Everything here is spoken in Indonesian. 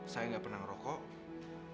saya nggak pernah ngerokok